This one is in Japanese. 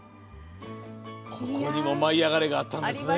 ここにも「舞いあがれ！」があったんですね。